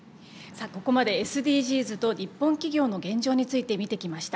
ここまでＳＤＧｓと日本企業の現状について見てきました。